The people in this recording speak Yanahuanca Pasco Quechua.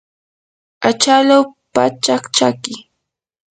achalaw pachak chaki.